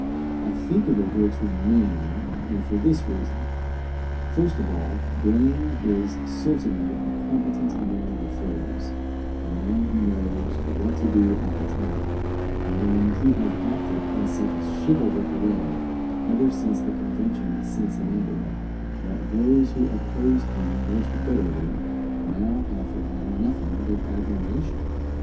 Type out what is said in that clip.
I think it will go to Maine, and for this reason: First of all, Blaine is certainly a competent man of affairs, a man who knows what to do at the time; and then he has acted in such a chivalric way ever since the convention at Cincinnati, that those who opposed him most bitterly, now have for him nothing but admiration.